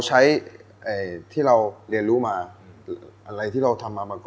วิธีการทำเดี๋ยวเชฟทำให้ทาน